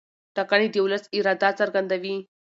ټاکنې د ولس اراده څرګندوي